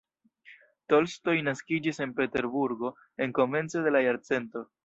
Tolstoj naskiĝis en Peterburgo en komence de la jarcento.